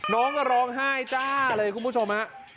น้องก็ร้องไห้จ้าเลยคุณผู้ชมฮะ